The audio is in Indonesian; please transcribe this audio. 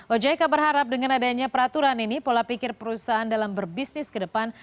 ojk berharap dengan adanya peraturan ini pola pikir perusahaan dalam berbisnis ke depan